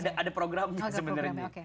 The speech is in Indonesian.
ya ada programnya sebenarnya